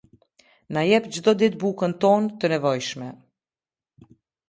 Na jep çdo ditë bukën tonë të nevojshme.